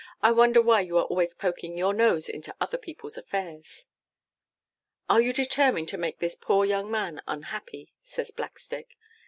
'I wonder why you are always poking your nose into other people's affairs?' 'Are you determined to make this poor young man unhappy?' says Blackstick.